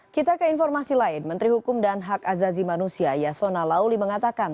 kita ke informasi lain menteri hukum dan hak azazi manusia yasona lauli mengatakan